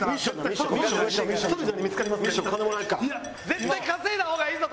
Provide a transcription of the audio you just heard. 絶対稼いだ方がいいぞ！